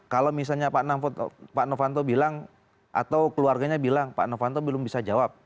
kalau misalnya pak novanto bilang atau keluarganya bilang pak novanto belum bisa jawab